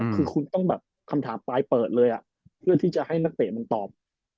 คือคุณต้องแบบคำถามปลายเปิดเลยเพื่อที่จะให้นักเตะมันตอบ